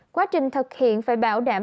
quá trình thực hiện phải bảo đảm